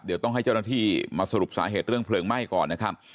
เดี๋ยวต้องให้เจ้าหน้าที่มาสรุปสาเหตุเรื่องเพลิงไหม้ก่อนนะครับ